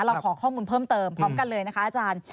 เราขอข้อมูลเพิ่มเติมพร้อมกันเลยนะคะอาจารย์